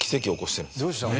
どうしたの？